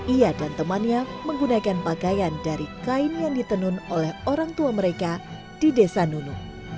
ia dan temannya menggunakan pakaian dari kain yang ditenun oleh orang tua mereka di desa nunu